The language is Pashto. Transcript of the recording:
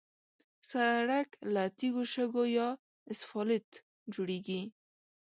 سړک له تیږو، شګو یا اسفالت جوړېږي.